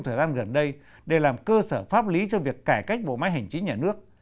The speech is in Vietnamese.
thời gian gần đây để làm cơ sở pháp lý cho việc cải cách bộ máy hành chính nhà nước